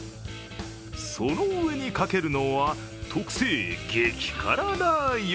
その上にかけるのは特製激辛ラー油。